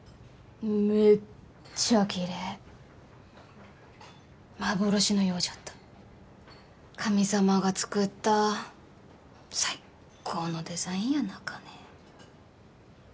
めっちゃきれい幻のようじゃった神様がつくった最っ高のデザインやなかね